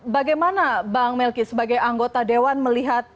bagaimana bang melki sebagai anggota dewan melihat